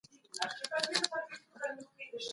مونږ ته هر افغان پردی دی چې پردو سره یو کېږي